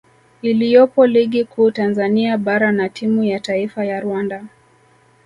iliyopo Ligi Kuu Tanzania Bara na timu ya taifa ya Rwanda